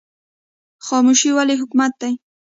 خاموشي ولې حکمت دی؟